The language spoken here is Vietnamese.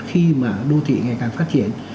khi mà đô thị ngày càng phát triển